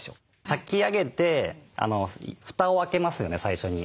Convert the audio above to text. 炊き上げて蓋を開けますよね最初に。